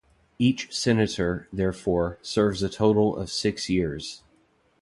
Each senator, therefore, serves a total of six years.